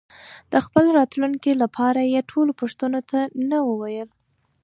د خپل راتلونکي لپاره یې ټولو پوښتنو ته نه وویل.